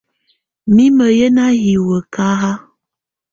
Mimǝ́ yɛ́ na hiwǝ́ kahá.